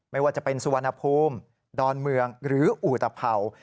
ไม่ว่าจะเป็นสุวรรณภูมิดอนเมืองหรืออุตเผ่า